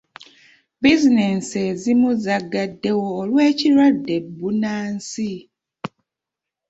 Bizinensi ezimu zagaddewo olw'ekirwadde bbunansi.